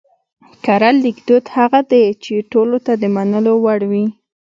کره ليکدود هغه دی چې ټولو ته د منلو وړ وي